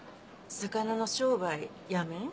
魚の商売やめん？